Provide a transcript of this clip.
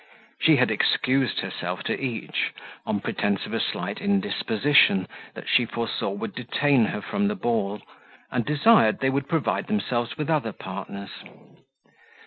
She had excused herself to each, on pretence of a slight indisposition that she foresaw would detain her from the ball, and desired they would provide themselves with other partners.